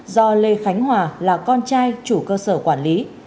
do lê khánh hòa là con trai chủ cơ sở quản lý